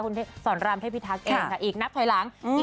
คุณสอนรามเทพิทักษ์เองค่ะอีกนับถอยหลังอีก